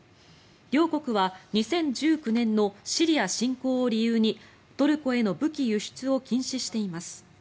両国は２０１９年のシリア侵攻を理由にトルコへの武器輸出を禁止しています。